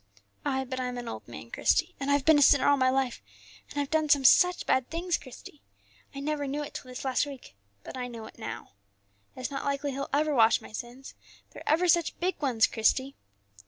"Ay, but I'm an old man, Christie, and I've been a sinner all my life, and I've done some such bad things, Christie. I never knew it till this last week, but I know it now. It's not likely He'll ever wash my sins; they're ever such big ones, Christie."